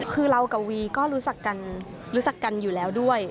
คือเรากับวีก็รู้จักกันรู้จักกันอยู่แล้วด้วย